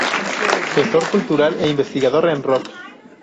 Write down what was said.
Gestor cultural e investigador en rock.